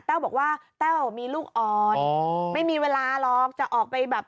แววบอกว่าแต้วมีลูกอ่อนไม่มีเวลาหรอกจะออกไปแบบ